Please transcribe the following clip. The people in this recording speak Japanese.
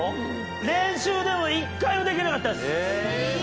練習でも１回もできなかったです。